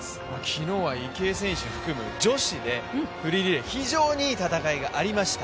昨日は池江選手含む女子でフリーリレー、非常にいい戦いがありました。